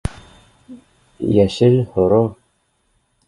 Йәшел, һоро